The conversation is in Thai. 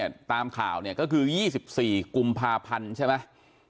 พี่รัฐเนี่ยตามข่าวเนี่ยก็คือ๒๔กุมภาพันธุ์ใช่ไหม